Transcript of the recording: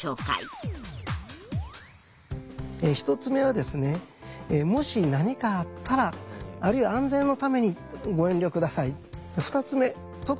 １つ目は「もし何かあったら」あるいは「安全のためにご遠慮下さい」。